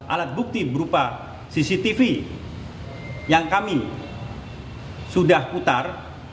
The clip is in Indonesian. alat bukti berupa cctv yang kami sudah putar